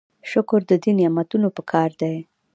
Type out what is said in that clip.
شکر د دې نعمتونو پکار دی.